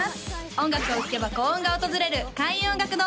音楽を聴けば幸運が訪れる開運音楽堂